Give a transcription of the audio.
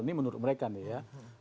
ini menurut mereka nih ya